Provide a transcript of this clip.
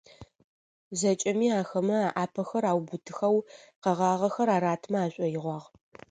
ЗэкӀэми ахэмэ alaпэхэр аубытыхэу, къэгъагъэхэр аратымэ ашӀоигъуагъ.